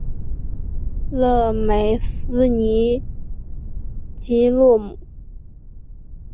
勒梅斯尼吉洛姆。